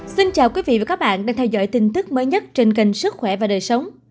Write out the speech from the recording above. xin chào quý vị và các bạn đang theo dõi tin tức mới nhất trên kênh sức khỏe và đời sống